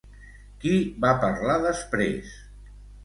Qui va parlar després?